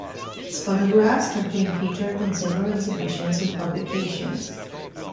His photographs have been featured in several exhibitions and publications.